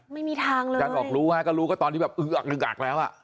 ไม่มีทางเลยจันอบรู้ฮะก็รู้ว่าอื้ากแล้วอะ